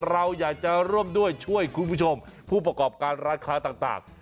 เราอยากจะร่วมด้วยช่วยคุณผู้ชมผู้ประกอบการร้านค้าต่าง